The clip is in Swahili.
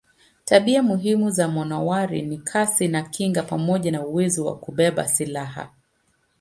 Tabia muhimu za manowari ni kasi na kinga pamoja na uwezo wa kubeba silaha.